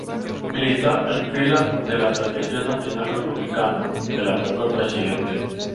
Militó en filas de la Asociación Nacional Republicana, de la que fue presidente.